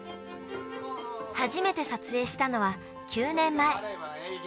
初めて撮影したのは、９年前。